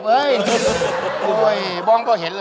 จับข้าว